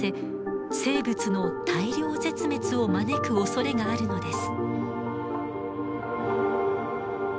生物の大量絶滅を招くおそれがあるのです。